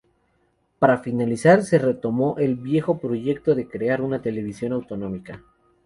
Para finalizar se retomó el viejo proyecto de crear una televisión autonómica.